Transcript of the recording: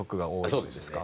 そうですね。